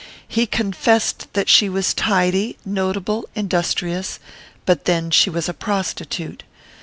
He confessed that she was tidy, notable, industrious; but, then, she was a prostitute.